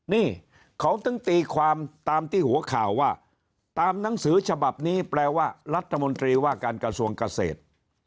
นี่เขาถึงตีความตามที่หัวข่าวว่าตามหนังสือฉบับนี้แปลว่ารัฐมนตรีว่าการกระทรวงเกษตร